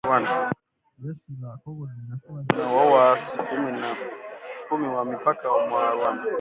Jeshi la Kongo linasema limeua waasi kumi wa mipakani mwa Rwanda